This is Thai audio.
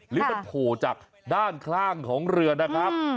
หรือมันโผล่จากด้านข้างของเรือนะครับ